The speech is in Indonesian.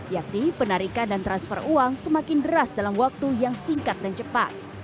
yakni penarikan dan transfer uang semakin deras dalam waktu yang singkat dan cepat